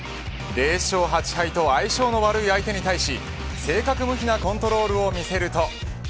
０勝８敗と相性の悪い相手に対し正確無比なコントロールを見せると。